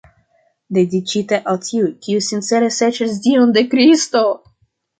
Dediĉita al tiuj, kiuj sincere serĉas Dion de Kristo.